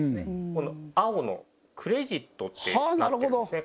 この青のクレジットってなってるんですね